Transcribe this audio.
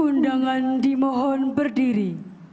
undangan dimohon berdiri